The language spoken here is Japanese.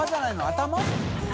頭？